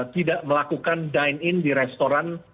tidak melakukan dine in di restoran